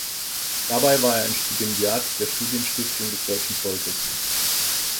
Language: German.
Dabei war er ein Stipendiat der Studienstiftung des Deutschen Volkes.